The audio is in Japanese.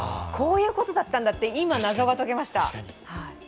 こういうことだったんだって今、謎が解けました。